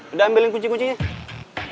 udah ambilin kunci kuncinya